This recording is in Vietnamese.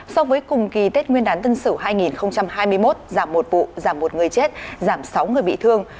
so với cùng kỳ tết nguyên đán tân sửu hai nghìn hai mươi một giảm một vụ giảm một người chết giảm sáu người bị thương